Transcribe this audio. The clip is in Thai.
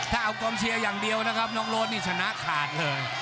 ถ้าเอากองเชียร์อย่างเดียวนะครับน้องโรดนี่ชนะขาดเลย